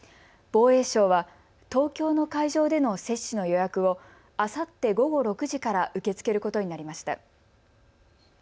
防衛省は東京の会場での接種の予約をあさって午後６時から受け付けることになりました。